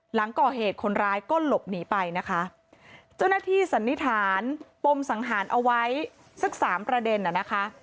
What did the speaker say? หลังก่อเหตุคนร้ายก็หลบหนีไปนะคะเจ้าหน้าที่สันนิษฐานปมสังหารเอาไว้สักสามประเด็นอ่ะนะคะ